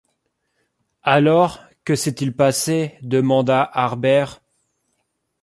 Alors, que s’est-il passé demanda Harbert